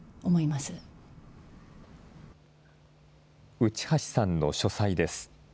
内橋さんの書斎です。